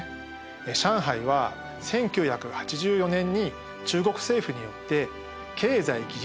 上海は１９８４年に中国政府によって経済技術